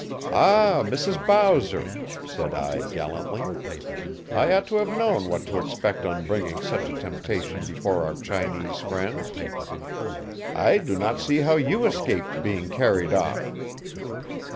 "Ah, Mrs. Bowser," said I gallantly, "I ought to have known what to expect on bringing such a temptation before our Chinese friends. I do not see how you escaped being carried off."